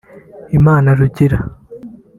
Imana Rugira